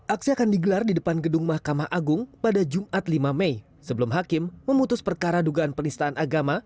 aksi akan digelar di depan gedung mahkamah agung pada jumat lima mei sebelum hakim memutus perkara dugaan penistaan agama